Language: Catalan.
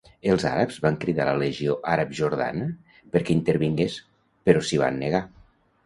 Els àrabs van cridar la Legió Àrab-Jordana perquè intervingués però s'hi van negar.